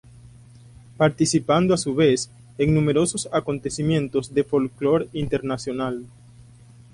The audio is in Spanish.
Participando a su vez en numerosos acontecimientos de folklore internacional.